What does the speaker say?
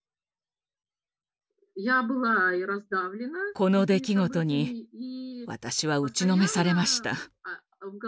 この出来事に私は打ちのめされました。